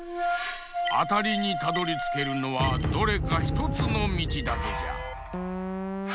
あたりにたどりつけるのはどれかひとつのみちだけじゃ。